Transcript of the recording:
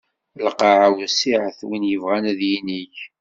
Lqaɛa wessiɛet win yebɣan ad yinig.